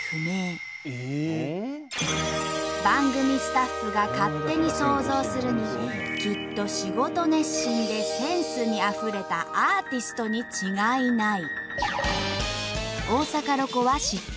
番組スタッフが勝手に想像するにきっと仕事熱心でセンスにあふれたアーティストに違いない。